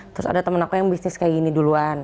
terus ada temen aku yang bisnis kayak gini duluan